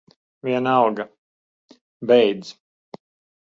Vienalga. Beidz.